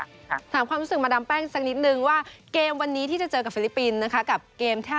ถามความรู้สึกมาดามแป้งสักนิดนึงว่าเกมวันนี้ที่จะเจอกับฟิลิปปินส์นะคะกับเกมแค่